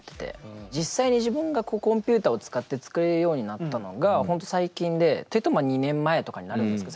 実際に自分がコンピューターを使って作れるようになったのが本当最近でっていうと２年前とかになるんですけど。